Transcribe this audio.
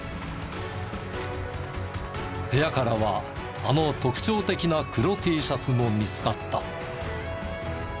部屋からはあの特徴的な黒Ｔシャツも見つかった。